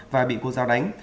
và bị bệnh